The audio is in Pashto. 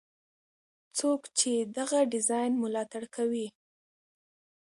څوک چې دغه ډیزاین ملاتړ کوي.